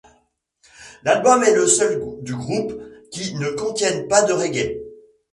L'album est le seul du groupe qui ne contienne pas de reggae.